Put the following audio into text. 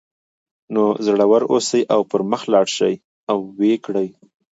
نو زړور اوسئ او پر مخ لاړ شئ او ویې کړئ